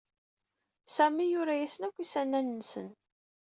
Sami yura-asen akk isamasen.